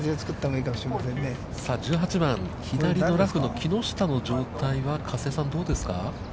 さあ１８番、左のラフの木下の状態は加瀬さん、どうですか。